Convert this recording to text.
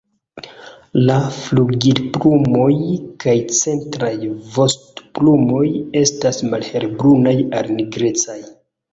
La flugilplumoj kaj centraj vostoplumoj estas malhelbrunaj al nigrecaj.